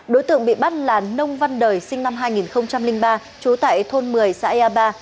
đối tượng bị bắt là nông văn đời sinh năm hai nghìn ba trú tại thôn một mươi xã ea ba